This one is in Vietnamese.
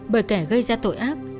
bởi kẻ gây ra tội ác